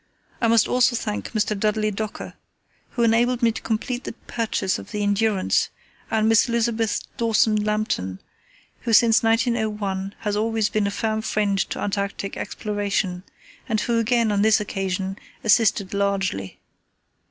I must also thank Mr. Dudley Docker, who enabled me to complete the purchase of the Endurance, and Miss Elizabeth Dawson Lambton, who since 1901 has always been a firm friend to Antarctic exploration, and who again, on this occasion, assisted largely.